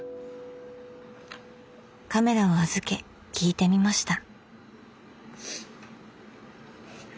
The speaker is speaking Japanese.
カメラを預け聞いてみました。